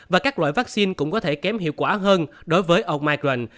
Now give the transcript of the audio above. và các loại vaccine cũng có thể kém hiệu quả hơn đối với omicron